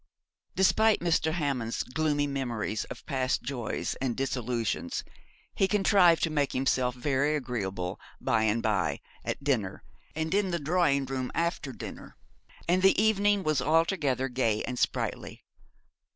Despite Mr. Hammond's gloomy memories of past joys and disillusions, he contrived to make himself very agreeable, by and by, at dinner, and in the drawing room after dinner, and the evening was altogether gay and sprightly.